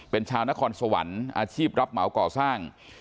เป็นชาวนครสวรรค์อาชีพรับเหมาก่อสร้าง